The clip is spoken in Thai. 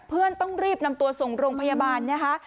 เพื่อนต้องรีบนำตัวส่งโรงพยาบาลนะคะ